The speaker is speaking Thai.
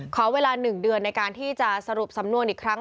ขอเวลา๑เดือนในการที่จะสรุปสำนวนอีกครั้ง